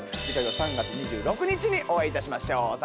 次回は３月２６日にお会いいたしましょう。